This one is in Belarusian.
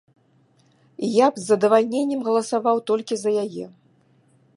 Я б з задавальненнем галасаваў толькі за яе.